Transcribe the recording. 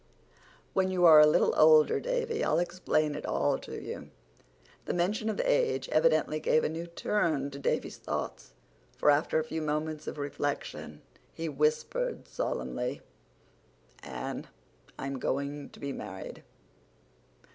"When you are a little older, Davy, I'll explain it all to you." The mention of age evidently gave a new turn to Davy's thoughts for after a few moments of reflection, he whispered solemnly: "Anne, I'm going to be married."